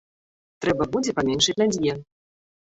Трэба будзе паменшыць на дзве!